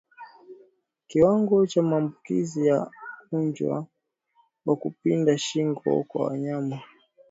Kiwango cha maambukizi ya ugonjwa wa kupinda shingo kwa wanyama